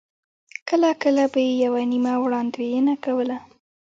کله کله به یې یوه نیمه وړاندوینه کوله.